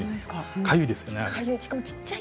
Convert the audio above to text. かゆいですね。